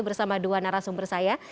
bersama dua narasumber saya